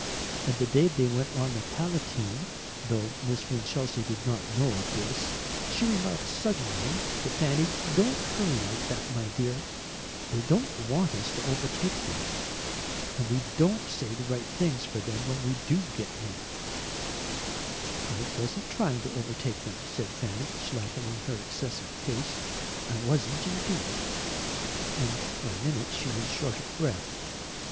And the day they went on the Palatine though Miss Winchelsea did not know of this she remarked suddenly to Fanny, "Don't hurry like that, my dear; THEY don't want us to overtake them. And we don't say the right things for them when we DO get near." "I wasn't trying to overtake them," said Fanny, slackening her excessive pace; "I wasn't indeed." And for a minute she was short of breath.